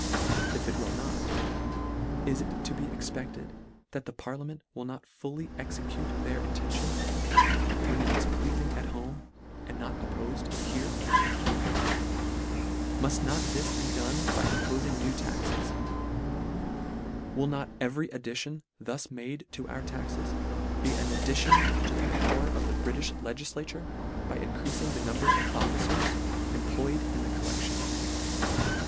If it will not, is it to be expected, that the parliament will not fully execute their intention, when it is pleafing at home, and not oppofed here ? Muff not this be done by impoiing new taxes? Will not every ad dition, thus made to our taxes, be an addition to the power of the Britifh legislature, by increafing the number of officers employ ed in the collection